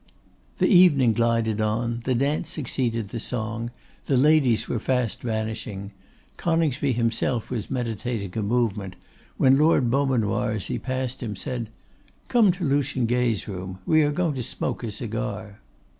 The evening glided on; the dance succeeded the song; the ladies were fast vanishing; Coningsby himself was meditating a movement, when Lord Beaumanoir, as he passed him, said, 'Come to Lucian Gay's room; we are going to smoke a cigar.